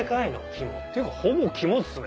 肝。っていうかほぼ肝ですね。